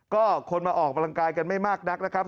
ก็คนมาออกกำลังกายกันไม่มากนักนะครับ